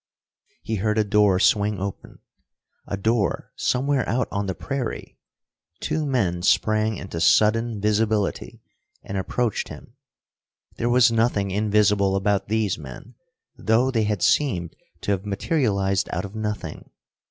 He heard a door swing open a door somewhere out on the prairie. Two men sprang into sudden visibility and approached him. There was nothing invisible about these men, though they had seemed to have materialized out of nothing.